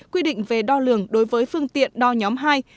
quy định về đo lường đối với phương tiện đo nhóm hai